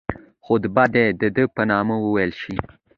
خطبه دي د ده په نامه وویل شي.